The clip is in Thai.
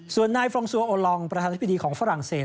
ส่วนนายฟรองซัวโอลองประธานธิบดีของฝรั่งเศส